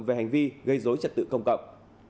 về hành vi gây dối trật tự công cộng